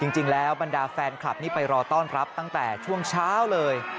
จริงแล้วบรรดาแฟนคลับนี่ไปรอต้อนรับตั้งแต่ช่วงเช้าเลย